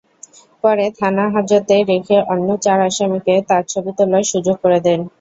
পরে থানাহাজতে রেখে অন্য চার আসামিকে তাঁর ছবি তোলার সুযোগ করে দেন।